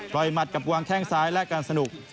หมัดกับวางแข้งซ้ายและการสนุก